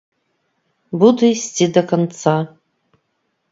Буду ісці да канца.